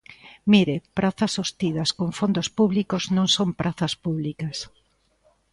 Mire, prazas sostidas con fondos públicos non son prazas públicas.